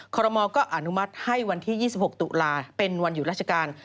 รมอลก็อนุมัติให้วันที่๒๖ตุลาเป็นวันหยุดราชการ